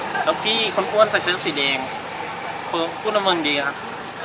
แล้วพี่คนอ้วนใส่เส้นสีเดงเฟ้อพูดเบิมดีอะครับ